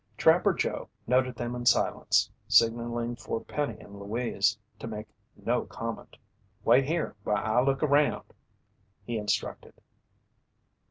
Trapper Joe noted them in silence, signaling for Penny and Louise to make no comment. "Wait here while I look around," he instructed.